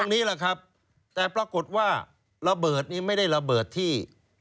นี่แหละครับแต่ปรากฏว่าระเบิดนี้ไม่ได้ระเบิดที่